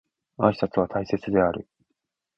挨拶は大切である